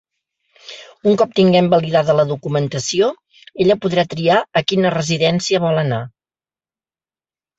Un cop tinguem validada la documentació, ella podrà triar a quina residència vol anar.